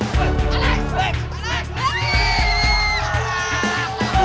kalian dari mana aja sih